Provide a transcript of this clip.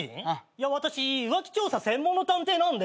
いや私浮気調査専門の探偵なんで。